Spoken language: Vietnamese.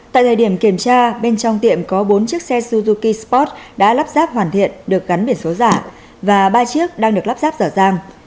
tại thời điểm kiểm tra bên trong tiệm có bốn chiếc xe suzuki sport đã lắp ráp hoàn thiện được gắn biển số giả và ba chiếc đang được lắp ráp dở dàng